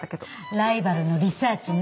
ライバルのリサーチね。